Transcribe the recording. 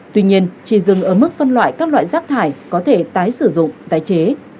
tuy nhiên chỉ dừng ở mức phân loại các loại rác thải có thể tái sử dụng tái chế